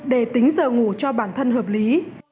để tính giờ ngủ cho bản thân hợp lý